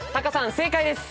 正解です。